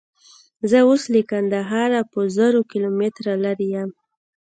زه اوس له کندهاره په زرو کیلومتره لیرې یم.